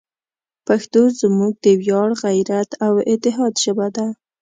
پښتو زموږ د ویاړ، غیرت، او اتحاد ژبه ده.